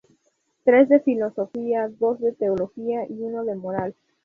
Tres de filosofía, dos de teología y uno de moral.